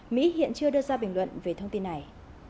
mỹ hiện chưa đưa ra bình luận về thông tin này